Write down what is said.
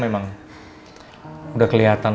memang udah kelihatan